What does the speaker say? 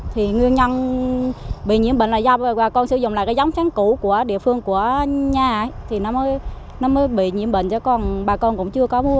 thì nguyên nhân bị nhiễm bệnh là do bà con sử dụng lại giống sáng của địa phương